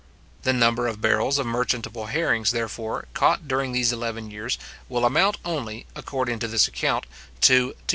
The number of barrels of merchantable herrings, therefore, caught during these eleven years, will amount only, according to this account, to 252,231¼.